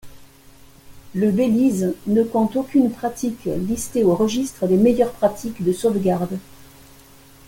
Le Belize ne compte aucune pratique listée au registre des meilleures pratiques de sauvegarde.